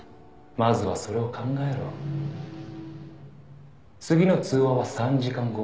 「まずはそれを考えろ」「次の通話は３時間後。